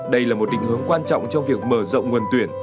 đây là một định hướng quan trọng trong việc mở rộng nguồn tuyển